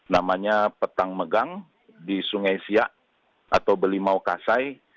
namanya petang megang di sungai siak atau belimau kasai